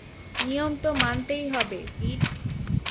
নিয়ম তো মানতেই হবে, পিট।